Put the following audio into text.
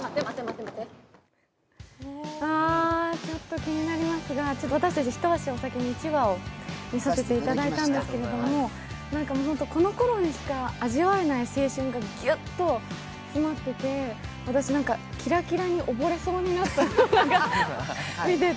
気になりますが、私たち一足お先に１話を見させていただいたんですけど、本当にこのころにしか味わえない青春がぎゅっと詰まってて私、キラキラに溺れそうになった、見てて。